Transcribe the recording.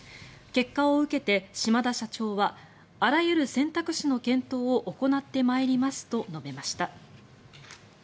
結果を受けて、島田社長はあらゆる選択肢の検討を行ってまいりますと述べました。